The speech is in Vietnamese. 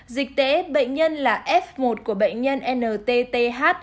dịch tễ bệnh nhân là f một của bệnh nhân ntth